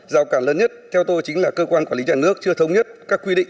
giao cản lớn nhất theo tôi chính là cơ quan quản lý nhà nước chưa thống nhất các quy định